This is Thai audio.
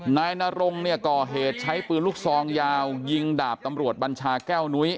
นายนรงเนี่ยก่อเหตุใช้ปืนลูกซองยาวยิงดาบตำรวจบัญชาแก้วนุ้ย